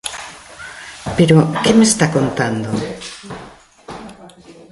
Pero ¿que me está contando?